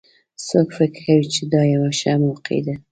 څوک فکر کوي چې دا یوه ښه موقع ده